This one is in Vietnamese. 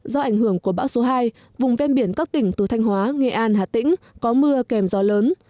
do ảnh hưởng của bão số hai vùng ven biển các tỉnh từ thanh hóa nghệ an hà tĩnh có mưa kèm gió lớn